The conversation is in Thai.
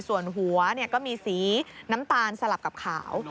ส่วนหัวก็มีสีน้ำตาลสลับกับขาว